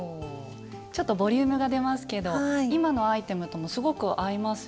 ちょっとボリュームが出ますけど今のアイテムともすごく合いますよね。